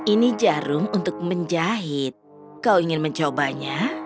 ini jarum untuk menjahit kau ingin mencobanya